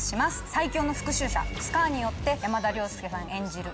最強の復讐者スカーによって山田涼介さん演じる